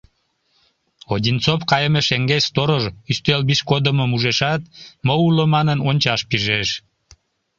Одинцов кайыме шеҥгеч сторож ӱстел виш кодымым ужешат, мо уло манын, ончаш пижеш.